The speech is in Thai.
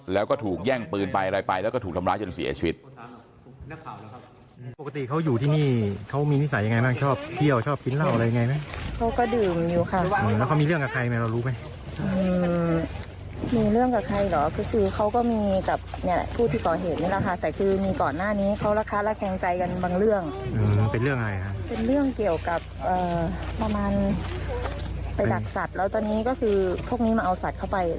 แล้วก็ถูกแย่งปืนไปอะไรไปแล้วก็ถูกทำร้ายจนเสียชีวิต